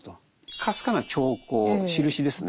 かすかな兆候しるしですね